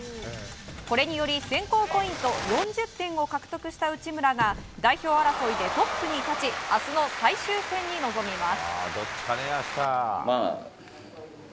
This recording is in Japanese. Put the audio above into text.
これにより選考ポイント４０点を獲得した内村が代表争いでトップに立ち明日の最終戦に臨みます。